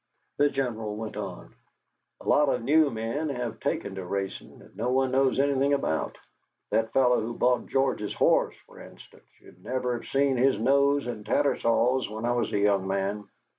The General went on: "A lot of new men have taken to racing that no one knows anything about. That fellow who bought George's horse, for instance; you'd never have seen his nose in Tattersalls when I was a young man.